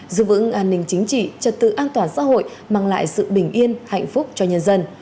giữ vững an ninh chính trị trật tự an toàn xã hội mang lại sự bình yên hạnh phúc cho nhân dân